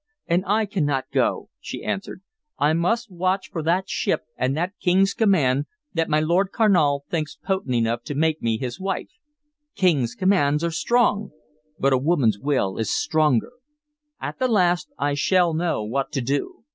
"And I cannot go," she answered. "I must watch for that ship and that King's command that my Lord Carnal thinks potent enough to make me his wife. King's commands are strong, but a woman's will is stronger. At the last I shall know what to do.